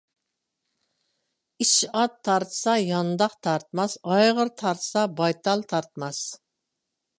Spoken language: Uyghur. ئىچ ئات تارتسا يانداق تارتماس، ئايغىر تارتسا بايتال تارتماس.